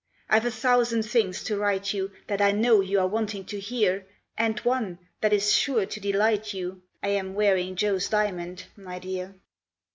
I've a thousand things to write you That I know you are wanting to hear, And one, that is sure to delight you I am wearing Joe's diamond, my dear!